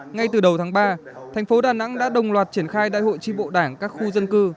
ngay từ đầu tháng ba thành phố đà nẵng đã đồng loạt triển khai đại hội tri bộ đảng các khu dân cư